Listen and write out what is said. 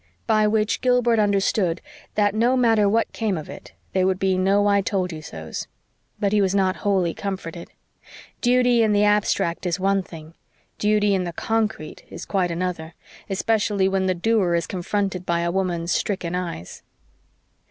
By which Gilbert understood that, no matter what came of it, there would be no I told you so's. But he was not wholly comforted. Duty in the abstract is one thing; duty in the concrete is quite another, especially when the doer is confronted by a woman's stricken eyes.